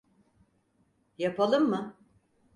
Yapalım mı?